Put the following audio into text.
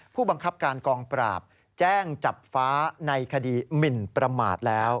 ผู้บังคับการกองปราบแจ้งจับฟ้าในคดีหมินประมาทแล้ว